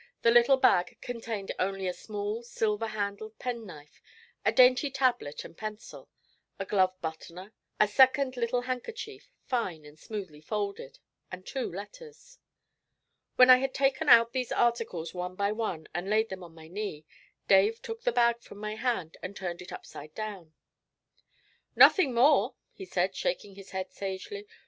The little bag contained only a small silver handled penknife, a dainty tablet and pencil, a glove buttoner, a second little handkerchief, fine and smoothly folded, and two letters. When I had taken out these articles one by one and laid them on my knee, Dave took the bag from my hand and turned it upside down. 'Nothing more,' he said, shaking his head sagely.